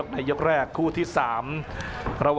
แล้วกลับมาติดตามกันต่อนะครับ